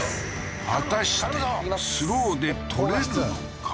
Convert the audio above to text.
果たしてスローで撮れるのか？